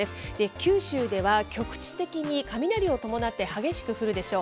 九州では局地的に雷を伴って激しく降るでしょう。